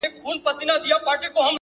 لوړ هدفونه استقامت او نظم غواړي,